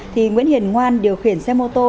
thì nguyễn hiền ngoan điều khiển xe mô tô